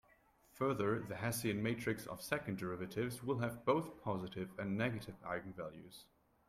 Further the Hessian matrix of second derivatives will have both positive and negative eigenvalues.